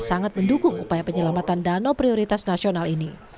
sangat mendukung upaya penyelamatan danau prioritas nasional ini